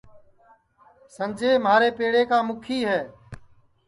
سنجے مھارے پیڑا کا مُکھی ہے